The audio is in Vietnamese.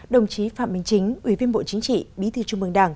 đồng chí phạm minh chính ủy viên bộ chính trị bí thư trung mương đảng